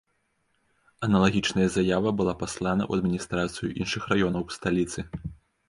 Аналагічная заява была паслана ў адміністрацыю іншых раёнаў сталіцы.